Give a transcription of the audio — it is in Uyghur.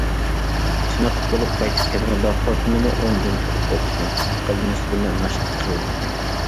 چېنىقىپ بولۇپ قايتىپ كەلگەندە، خوتۇنىمۇ ئورنىدىن تۇرۇپ بولىدىكەن، ئىككى قەدىناس بىللە ناشتا قىلىدىكەن.